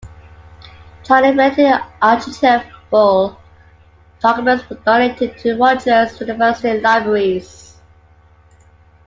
China-related archival documents were donated to the Rutgers University Libraries.